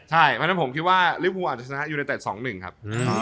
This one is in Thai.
เพราะฉะนั้นผมคิดว่าลิฟภูอาจจะชนะยูเนเต็ด๒๑ครับ